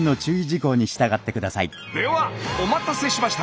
ではお待たせしました！